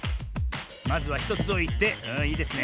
まずは１つおいていいですね。